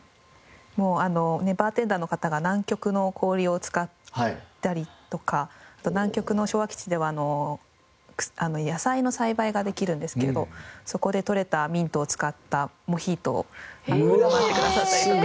もうバーテンダーの方が南極の氷を使ったりとかあと南極の昭和基地では野菜の栽培ができるんですけれどそこで取れたミントを使ったモヒートを振る舞ってくださったりとか。